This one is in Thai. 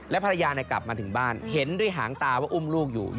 ภรรยากลับมาถึงบ้านเห็นด้วยหางตาว่าอุ้มลูกอยู่